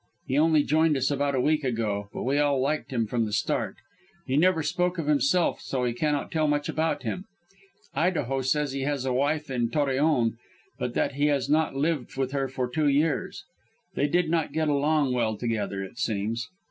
He only joined us about a week ago, but we all liked him from the start. He never spoke of himself, so we cannot tell much about him. Idaho says he has a wife in Torreon, but that he has not lived with her for two years; they did not get along well together, it seems.